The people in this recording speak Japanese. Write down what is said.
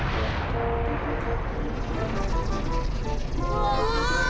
うわ！